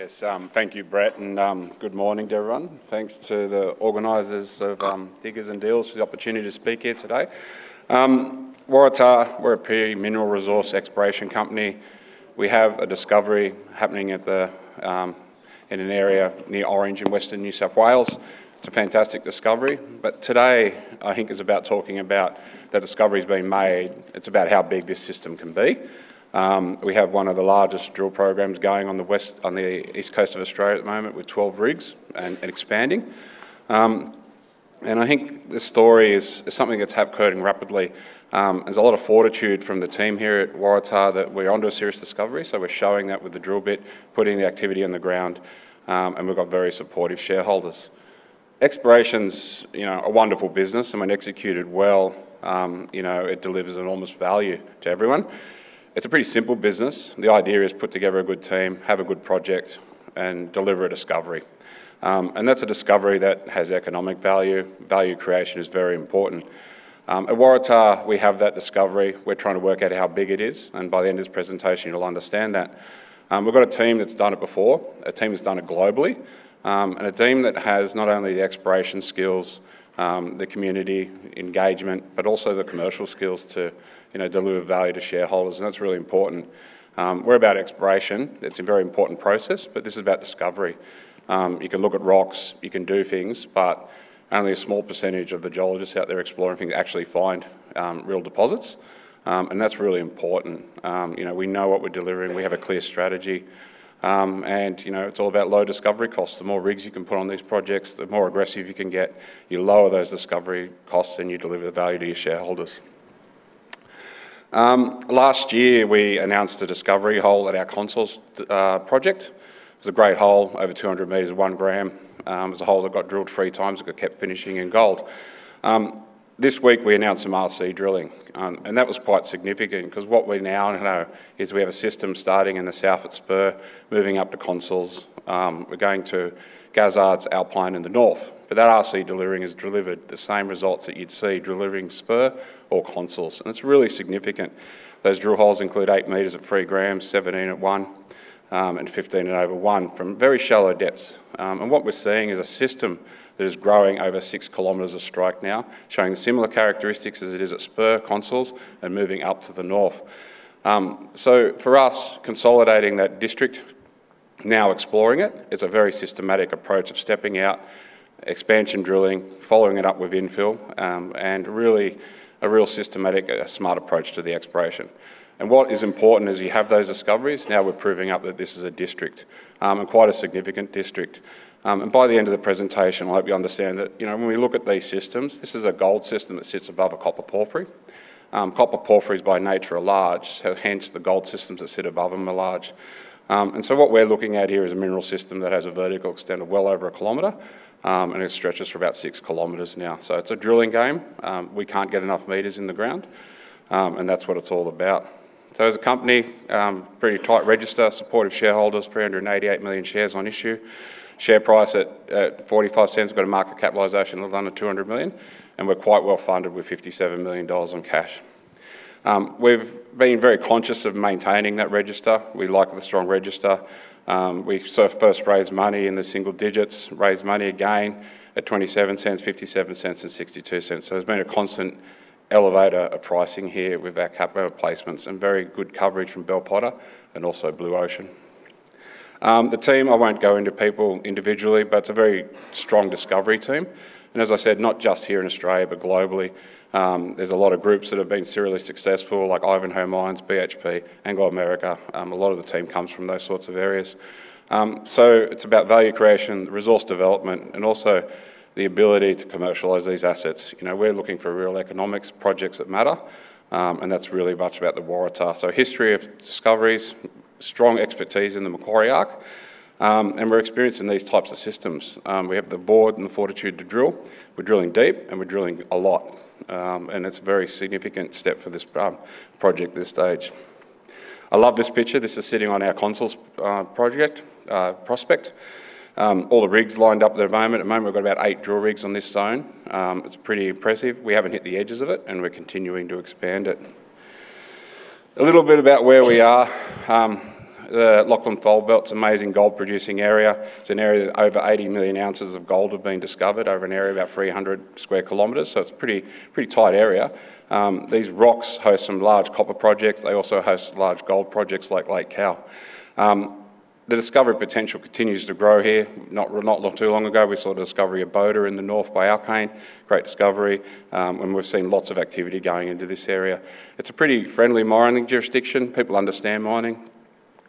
Yes. Thank you, Brett, and good morning to everyone. Thanks to the organizers of Diggers and Dealers for the opportunity to speak here today. Waratah, we're a mineral resource exploration company. We have a discovery happening in an area near Orange in Western New South Wales. It's a fantastic discovery. Today, I think is about talking about the discoveries being made. It's about how big this system can be. We have one of the largest drill programs going on the East Coast of Australia at the moment, with 12 rigs and expanding. I think this story is something that's happening rapidly. There's a lot of fortitude from the team here at Waratah that we're onto a serious discovery. We're showing that with the drill bit, putting the activity in the ground, and we've got very supportive shareholders. Exploration's a wonderful business, and when executed well, it delivers enormous value to everyone. It's a pretty simple business. The idea is put together a good team, have a good project, and deliver a discovery. That's a discovery that has economic value. Value creation is very important. At Waratah, we have that discovery. We're trying to work out how big it is, and by the end of this presentation, you'll understand that. We've got a team that's done it before, a team that's done it globally, and a team that has not only the exploration skills, the community engagement, but also the commercial skills to deliver value to shareholders, and that's really important. We're about exploration. It's a very important process, but this is about discovery. You can look at rocks, you can do things, but only a small percentage of the geologists out there exploring things actually find real deposits. That's really important. We know what we're delivering. We have a clear strategy. It's all about low discovery costs. The more rigs you can put on these projects, the more aggressive you can get. You lower those discovery costs, and you deliver the value to your shareholders. Last year, we announced a discovery hole at our Consols project. It was a great hole, over 200 meters, one gram. It was a hole that got drilled three times. It kept finishing in gold. This week, we announced some RC drilling, and that was quite significant because what we now know is we have a system starting in the south at Spur, moving up to Consols. We're going to Gazzards, Alpine in the north. That RC drilling has delivered the same results that you'd see drilling Spur or Consols, and it's really significant. Those drill holes include eight meters at three grams, 17 at one, and 15 at over one from very shallow depths. What we're seeing is a system that is growing over 6 km of strike now, showing similar characteristics as it is at Spur Consols and moving up to the north. For us, consolidating that district, now exploring it's a very systematic approach of stepping out, expansion drilling, following it up with infill, and really a real systematic, smart approach to the exploration. What is important is you have those discoveries. Now we're proving up that this is a district, and quite a significant district. By the end of the presentation, I hope you understand that when we look at these systems, this is a gold system that sits above a copper porphyry. Copper porphyries by nature are large, hence the gold systems that sit above them are large. What we're looking at here is a mineral system that has a vertical extent of well over a kilometer, and it stretches for about 6 kilometers now. It's a drilling game. We can't get enough meters in the ground, and that's what it's all about. As a company, pretty tight register, supportive shareholders, 388 million shares on issue. Share price at 0.45. We've got a market capitalization of under 200 million, and we're quite well-funded with 57 million dollars in cash. We've been very conscious of maintaining that register. We like the strong register. We first raised money in the single digits, raised money again at 0.27, 0.57 and 0.62. There's been a constant elevator of pricing here with our capital placements and very good coverage from Bell Potter and also Blue Ocean. The team, I won't go into people individually, but it's a very strong discovery team. As I said, not just here in Australia, but globally. There's a lot of groups that have been serially successful, like Ivanhoe Mines, BHP, Anglo American. A lot of the team comes from those sorts of areas. It's about value creation, resource development, and also the ability to commercialize these assets. We're looking for real economics projects that matter, and that's really much about the Waratah. History of discoveries, strong expertise in the Macquarie Arc, and we're experienced in these types of systems. We have the board and the fortitude to drill. We're drilling deep and we're drilling a lot, and it's a very significant step for this project at this stage. I love this picture. This is sitting on our Consols project prospect. All the rigs lined up at the moment. At the moment, we've got about eight drill rigs on this zone. It's pretty impressive. We haven't hit the edges of it, and we're continuing to expand it. A little bit about where we are. The Lachlan Fold Belt's amazing gold-producing area. It's an area that over 80 million ounces of gold have been discovered over an area about 300 sq km. It's a pretty tight area. These rocks host some large copper projects. They also host large gold projects like Lake Cowal. The discovery potential continues to grow here. Not too long ago, we saw the discovery of Boda in the north by Alkane. We're seeing lots of activity going into this area. It's a pretty friendly mining jurisdiction. People understand mining.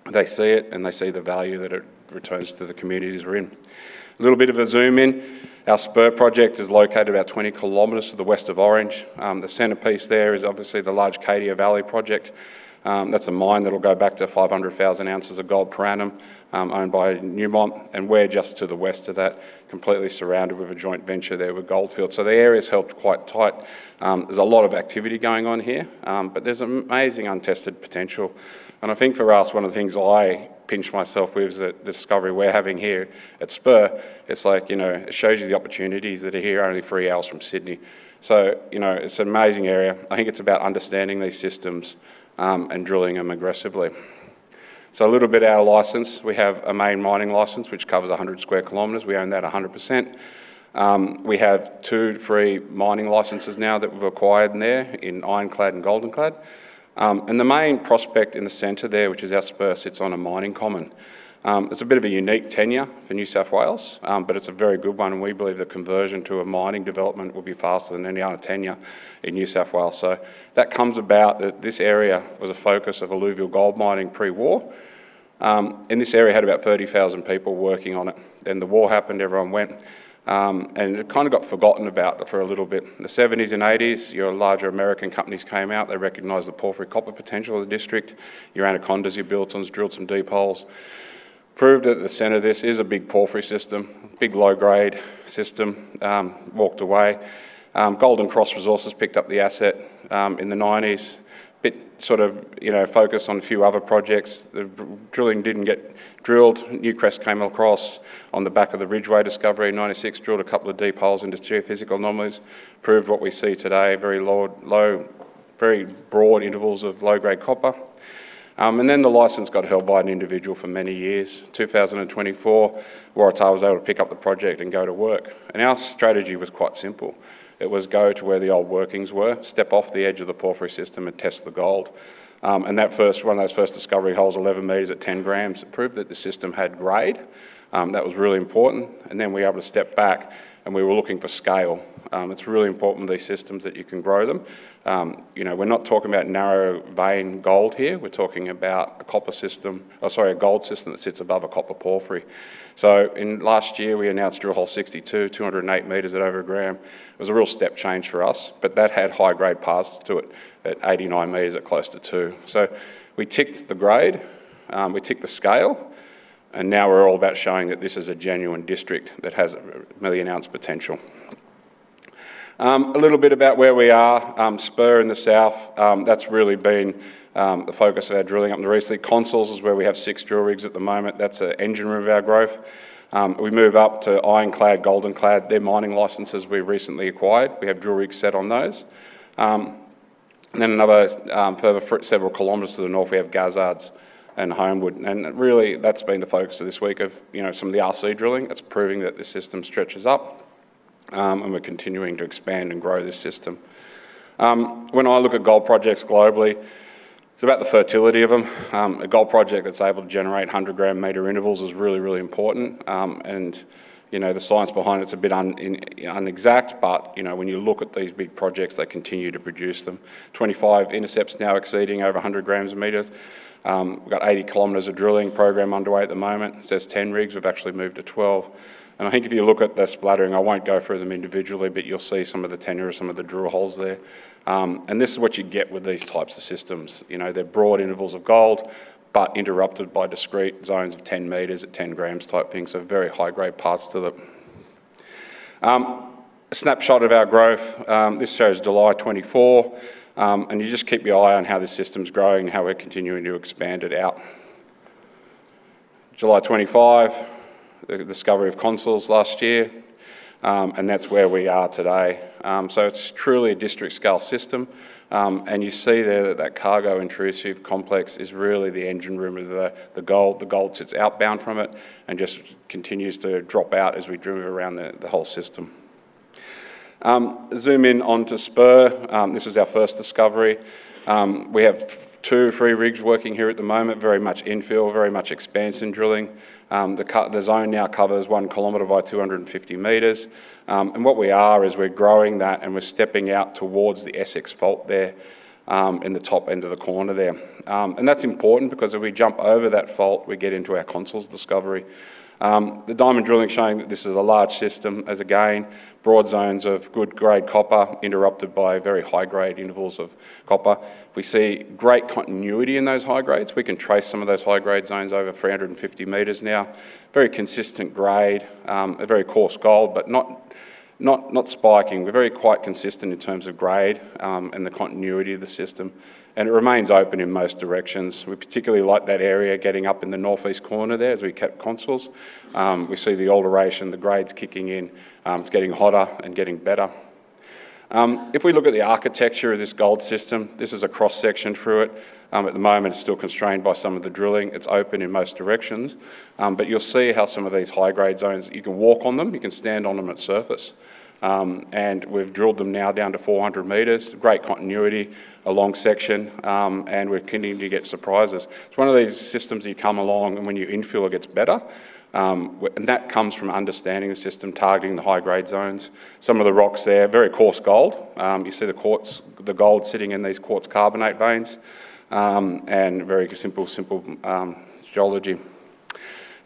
They see it and they see the value that it returns to the communities we're in. A little bit of a zoom in. Our Spur project is located about 20 km to the west of Orange. The centerpiece there is obviously the large Cadia Valley project. That's a mine that'll go back to 500,000 ounces of gold per annum, owned by Newmont. We're just to the west of that, completely surrounded with a joint venture there with Gold Fields. The area's held quite tight. There's a lot of activity going on here. There's amazing untested potential. I think for us, one of the things I pinch myself with is the discovery we're having here at Spur. It shows you the opportunities that are here only three hours from Sydney. It's an amazing area. I think it's about understanding these systems, and drilling them aggressively. A little bit our license, we have a main mining license, which covers 100 sq km. We own that 100%. We have two free mining licenses now that we've acquired there in Ironclad and Golden Clad. The main prospect in the center there, which is our Spur, sits on a mining common. It's a bit of a unique tenure for New South Wales, but it's a very good one, and we believe the conversion to a mining development will be faster than any other tenure in New South Wales. That comes about that this area was a focus of alluvial gold mining pre-war. This area had about 30,000 people working on it. The war happened, everyone went, and it kind of got forgotten about for a little bit. In the 1970s and 1980s, your larger American companies came out. They recognized the copper porphyry potential of the district. Your Anacondas, your Billitons drilled some deep holes, proved that the center of this is a big porphyry system, big low-grade system, walked away. Golden Cross Resources picked up the asset in the 1990s, but sort of focused on a few other projects. The drilling didn't get drilled. Newcrest came across on the back of the Ridgeway discovery in 1996, drilled a couple of deep holes into geophysical anomalies, proved what we see today, very broad intervals of low-grade copper. The license got held by an individual for many years. 2024, Waratah was able to pick up the project and go to work. Our strategy was quite simple. It was go to where the old workings were, step off the edge of the porphyry system and test the gold. One of those first discovery holes, 11 meters at 10 grams, proved that the system had grade. That was really important. Then we were able to step back, and we were looking for scale. It's really important, these systems, that you can grow them. We're not talking about narrow vein gold here. We're talking about a gold system that sits above a copper porphyry. In last year, we announced drill hole 62, 208 meters at over a gram. It was a real step change for us, that had high-grade paths to it at 89 meters at close to two. We ticked the grade, we ticked the scale, and now we're all about showing that this is a genuine district that has a million-ounce potential. A little bit about where we are. Spur in the south, that's really been the focus of our drilling up in the resource. Consols is where we have six drill rigs at the moment. That's the engine room of our growth. We move up to Ironclad, Golden Clad. They're mining licenses we recently acquired. We have drill rigs set on those. Then another further several kilometers to the north, we have Gazzards and Homewood. Really, that's been the focus of this week of some of the RC drilling. It's proving that the system stretches up. We're continuing to expand and grow this system. When I look at gold projects globally, it's about the fertility of them. A gold project that's able to generate 100-gram meter intervals is really, really important. The science behind it is a bit unexact, but when you look at these big projects, they continue to produce them. 25 intercepts now exceeding over 100 grams a meter. We've got 80 km of drilling program underway at the moment. It says 10 rigs. We've actually moved to 12. I think if you look at the splattering, I won't go through them individually, but you'll see some of the tenure of some of the drill holes there. This is what you get with these types of systems. They're broad intervals of gold, interrupted by discrete zones of 10 meters at 10 grams type thing. Very high-grade parts to them. A snapshot of our growth. This shows July 2024. You just keep your eye on how this system's growing and how we're continuing to expand it out. July 2025, the discovery of Consols last year. That's where we are today. It's truly a district-scale system. You see there that that cargo intrusive complex is really the engine room of the gold. The gold sits outbound from it and just continues to drop out as we drill around the whole system. Zoom in onto Spur. This is our first discovery. We have two free rigs working here at the moment, very much infill, very much expansion drilling. The zone now covers 1 km by 250 meters. What we are is we're growing that. We're stepping out towards the Essex fault there in the top end of the corner there. That's important because if we jump over that fault, we get into our Consols discovery. The diamond drilling showing that this is a large system, as again, broad zones of good-grade copper interrupted by very high-grade intervals of copper. We see great continuity in those high grades. We can trace some of those high-grade zones over 350 meters now. Very consistent grade, a very coarse gold, but not spiking. We're very quite consistent in terms of grade and the continuity of the system. It remains open in most directions. We particularly like that area getting up in the northeast corner there as we kept Consols. We see the alteration, the grades kicking in. It's getting hotter and getting better. If we look at the architecture of this gold system, this is a cross-section through it. At the moment, it's still constrained by some of the drilling. It's open in most directions. You'll see how some of these high-grade zones, you can walk on them. You can stand on them at surface. We've drilled them now down to 400 meters, great continuity, a long section. We're continuing to get surprises. It's one of these systems you come along and when your infill gets better. That comes from understanding the system, targeting the high-grade zones. Some of the rocks there, very coarse gold. You see the gold sitting in these quartz-carbonate veins and very simple geology.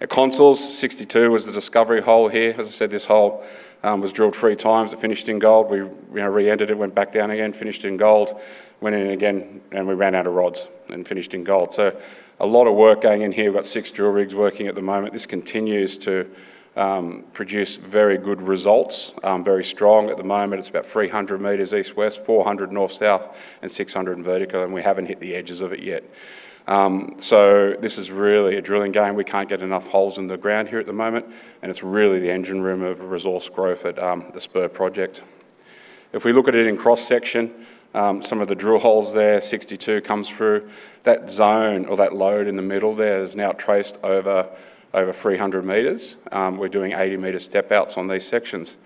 At Consols, 62 was the discovery hole here. As I said, this hole was drilled three times. It finished in gold. We re-entered it, went back down again, finished in gold, went in again, we ran out of rods and finished in gold. A lot of work going in here. We've got six drill rigs working at the moment. This continues to produce very good results, very strong. At the moment, it's about 300 meters east-west, 400 north-south, and 600 in vertical, and we haven't hit the edges of it yet. This is really a drilling game. We can't get enough holes in the ground here at the moment, and it's really the engine room of resource growth at the Spur project. If we look at it in cross-section, some of the drill holes there, 62 comes through. That zone or that load in the middle there is now traced over 300 meters. We're doing 80-meter step outs on these sections.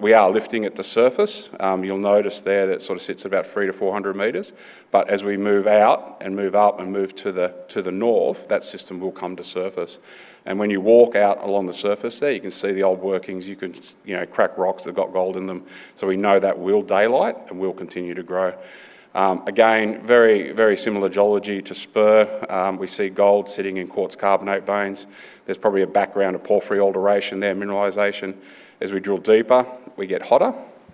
We are lifting at the surface. You'll notice there that sits about 300 to 400 meters, as we move out and move up and move to the north, that system will come to surface. When you walk out along the surface there, you can see the old workings. You can crack rocks that have got gold in them. We know that will daylight and will continue to grow. Again, very similar geology to Spur. We see gold sitting in quartz-carbonate veins. There's probably a background of porphyry alteration there, mineralization. As we drill deeper, we get hotter,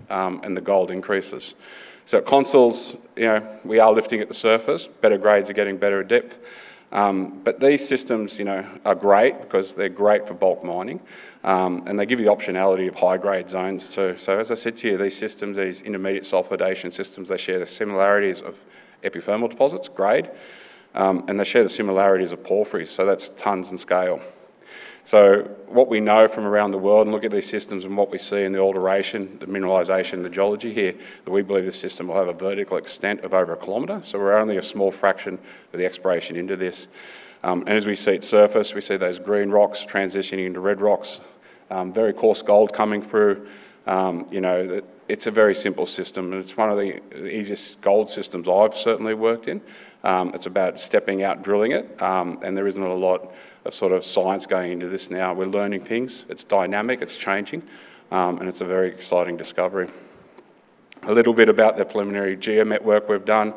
and the gold increases. At Consols, we are lifting at the surface. Better grades are getting better at depth. These systems are great because they're great for bulk mining. They give you optionality of high-grade zones, too. As I said to you, these systems, these intermediate sulfidation systems, they share the similarities of epithermal deposits, grade, and they share the similarities of porphyry. That's tons and scale. What we know from around the world and look at these systems and what we see in the alteration, the mineralization, the geology here, that we believe this system will have a vertical extent of over a kilometer. We're only a small fraction of the exploration into this. As we see it surface, we see those green rocks transitioning into red rocks. Very coarse gold coming through. It's a very simple system, it's one of the easiest gold systems I've certainly worked in. It's about stepping out and drilling it. There isn't a lot of science going into this now. We're learning things. It's dynamic, it's changing, and it's a very exciting discovery. A little bit about the preliminary geomet work we've done.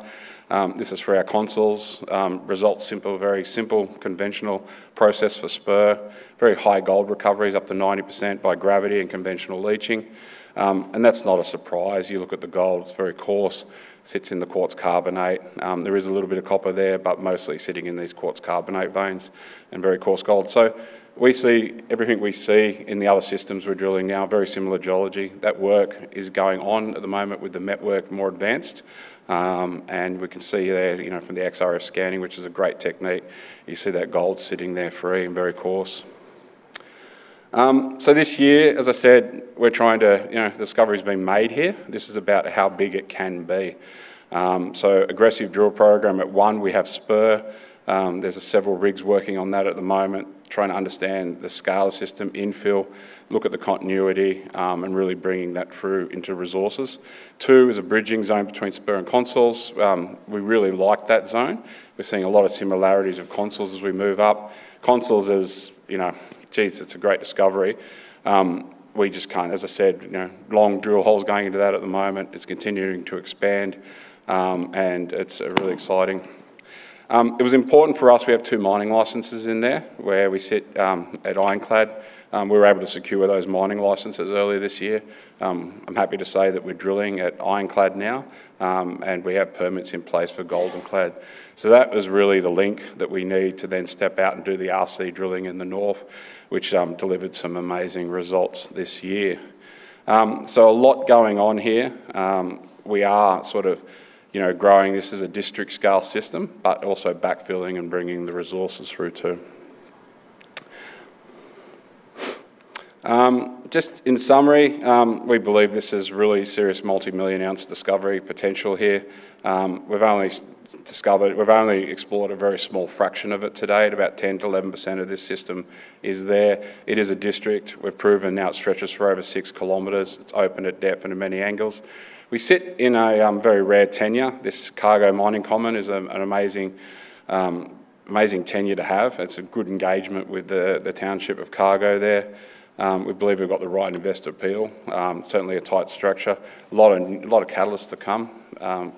This is for our Consols. Results simple, very simple, conventional process for Spur. Very high gold recoveries, up to 90% by gravity and conventional leaching. That's not a surprise. You look at the gold, it's very coarse. Sits in the quartz carbonate. There is a little bit of copper there, but mostly sitting in these quartz-carbonate veins and very coarse gold. We see everything we see in the other systems we're drilling now, very similar geology. That work is going on at the moment with the network more advanced. We can see there from the XRF scanning, which is a great technique. You see that gold sitting there free and very coarse. This year, as I said, the discovery's been made here. This is about how big it can be. Aggressive drill program. At one, we have Spur. There's several rigs working on that at the moment, trying to understand the scale of system infill, look at the continuity, and really bringing that through into resources. Two is a bridging zone between Spur and Consols. We really like that zone. We're seeing a lot of similarities of Consols as we move up. Consols is, jeez, it's a great discovery. We just can't, as I said, long drill holes going into that at the moment. It's continuing to expand. It's really exciting. It was important for us, we have two mining licenses in there where we sit at Ironclad. We were able to secure those mining licenses earlier this year. I'm happy to say that we're drilling at Ironclad now, and we have permits in place for Golden Clad. That was really the link that we need to then step out and do the RC drilling in the north, which delivered some amazing results this year. A lot going on here. We are growing this as a district-scale system, but also backfilling and bringing the resources through, too. Just in summary, we believe this is really serious multimillion-ounce discovery potential here. We've only explored a very small fraction of it to date. About 10%-11% of this system is there. It is a district. We've proven now it stretches for over 6 km. It's open at depth and at many angles. We sit in a very rare tenure. This Cargo Mining Common is an amazing tenure to have. It's a good engagement with the township of Cargo there. We believe we've got the right investor appeal. Certainly a tight structure. A lot of catalysts to come.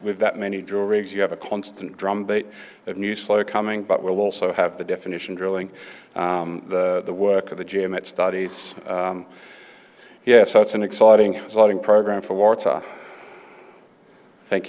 With that many drill rigs, you have a constant drumbeat of news flow coming, but we'll also have the definition drilling, the work of the geomet studies. It's an exciting program for Waratah. Thank you